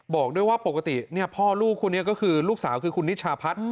บอกด้วยว่าปกติพ่อลูกคู่นี้ก็คือลูกสาวคือคุณนิชาพัฒน์